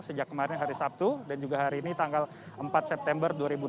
sejak kemarin hari sabtu dan juga hari ini tanggal empat september dua ribu dua puluh